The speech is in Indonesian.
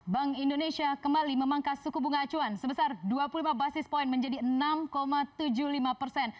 bank indonesia kembali memangkas suku bunga acuan sebesar dua puluh lima basis point menjadi enam tujuh puluh lima persen